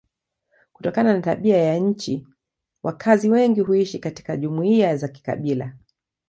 Kutokana na tabia ya nchi wakazi wengi huishi katika jumuiya za kikabila.